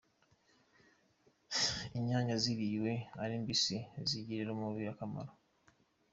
Inyanya ziriwe ari mbisi zigirira umubiri akamaro